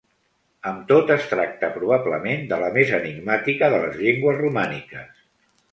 Amb tot, es tracta probablement de la més enigmàtica de les llengües romàniques.